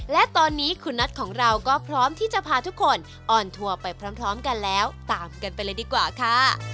และตอนนี้คุณนัทของเราก็พร้อมที่จะพาทุกคนออนทัวร์ไปพร้อมกันแล้วตามกันไปเลยดีกว่าค่ะ